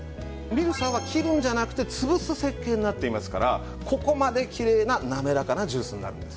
ミルサーは切るんじゃなくて潰す設計になっていますからここまできれいななめらかなジュースになるんですよ。